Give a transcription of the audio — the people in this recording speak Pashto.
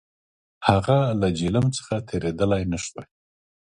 هغه له جیهلم څخه تېرېدلای نه شوای.